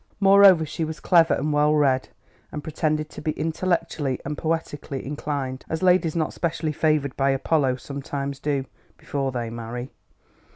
Moreover, she was clever and well read, and pretended to be intellectually and poetically inclined, as ladies not specially favoured by Apollo sometimes do—before they marry.